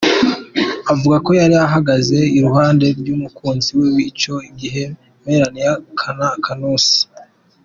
Avuga ko yari ahagaze iruhande y’umukunzi wiwe ico gihe, Melania Knauss.